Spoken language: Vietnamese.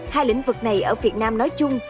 hai lĩnh vực này ở việt nam nói chung